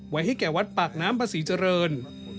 ไว้ให้แก่วัดปากน้ำประสิทธิ์เจริญ